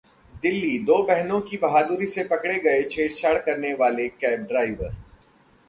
दिल्ली: दो बहनों की बहादुरी से पकड़े गए छेड़छाड़ करने वाले कैब ड्राइवर